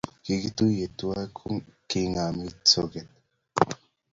Kikituyen twai kingami soget